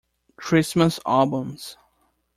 Christmas albums